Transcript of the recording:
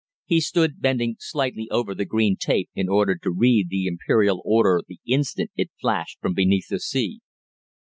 He stood bending slightly over the green tape in order to read the Imperial order the instant it flashed from beneath the sea.